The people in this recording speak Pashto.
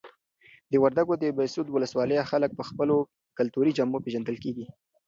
د وردګو د بهسود ولسوالۍ خلک په خپلو کلتوري جامو پیژندل کیږي.